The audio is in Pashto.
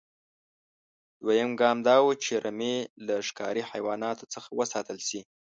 دویم ګام دا و چې رمې له ښکاري حیواناتو څخه وساتل شي.